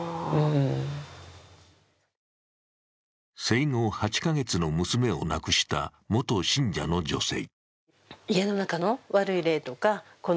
生後８カ月の娘を亡くした元信者の女性。